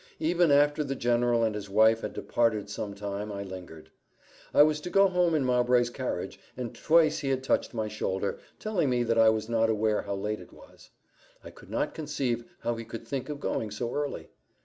Even after the general and his wife had departed some time, I lingered. I was to go home in Mowbray's carriage, and twice he had touched my shoulder, telling me that I was not aware how late it was. I could not conceive how he could think of going so early.